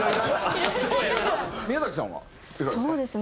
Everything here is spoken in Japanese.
宮崎さんはいかがですか？